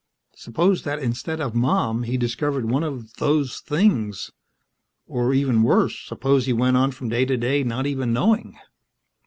Suppose that instead of Mom he discovered one of those Things ... or even worse, suppose he went on from day to day not even knowing....